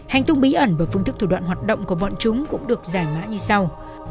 hành tung bí ẩn và phương thức thủ đoạn hoạt động của bọn chúng cũng được giải mã như sau